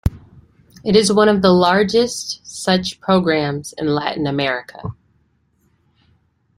It is one of the largest such programs in Latin America.